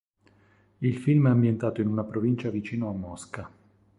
Il film è ambientato in una provincia vicino a Mosca.